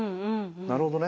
なるほどね。